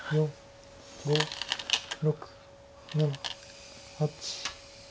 ５６７８。